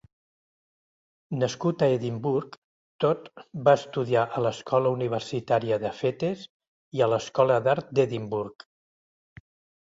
Nascut a Edimburg, Todd va estudiar a l'Escola Universitària de Fettes i a l'Escola d'Art d'Edimburg.